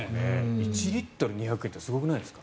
１リットル２００円ってすごくないですか？